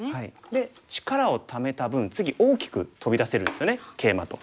で力をためた分次大きく飛び出せるんですよねケイマと。